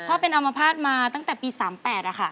เป็นอมภาษณ์มาตั้งแต่ปี๓๘ค่ะ